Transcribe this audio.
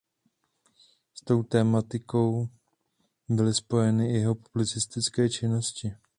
S touto tematikou byly spojeny i jeho publicistické činnosti.